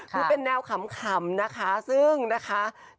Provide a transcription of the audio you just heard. คือเป็นแนวขำนะคะซึ่งนะคะ